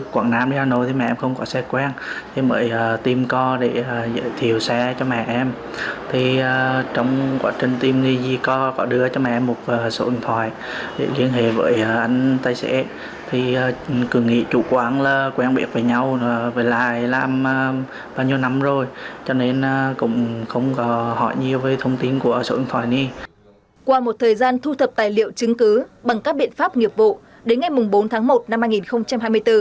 qua một thời gian thu thập tài liệu chứng cứ bằng các biện pháp nghiệp vụ đến ngày bốn tháng một năm hai nghìn hai mươi bốn